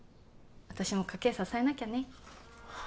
私も家計支えなきゃね